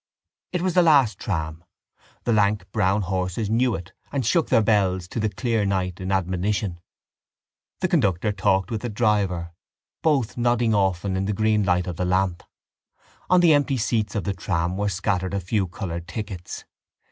It was the last tram. The lank brown horses knew it and shook their bells to the clear night in admonition. The conductor talked with the driver, both nodding often in the green light of the lamp. On the empty seats of the tram were scattered a few coloured tickets.